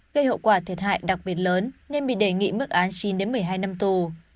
gây hậu quả thiệt hại đặc biệt lớn nên bị đề nghị mức án chín đến một mươi hai năm tù